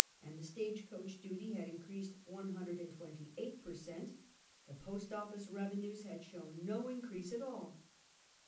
and the stage coach duty had increased one hundred and twenty eight per cent., the post office revenues had shown no increase at all.